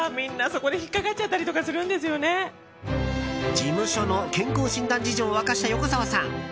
事務所の健康診断事情を明かした、横澤さん。